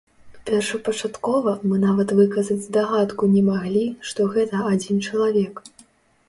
Першапачаткова мы нават выказаць здагадку не маглі, што гэта адзін чалавек.